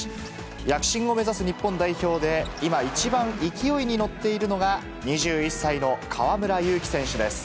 躍進を目指す日本代表で、今一番勢いに乗っているのが、２１歳の河村勇輝選手です。